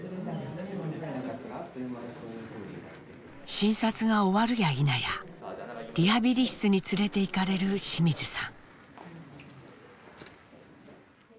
診察が終わるやいなやリハビリ室に連れていかれる清水さん。